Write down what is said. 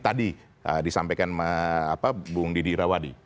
tadi disampaikan bu undi dirawadi